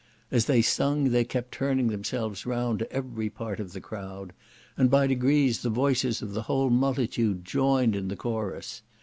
As they sung they kept turning themselves round to every part of the crowd and, by degrees, the voices of the whole multitude joined in chorus.